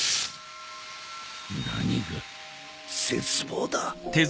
何が絶望だ。